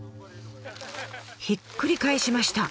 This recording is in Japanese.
ひっくり返しました。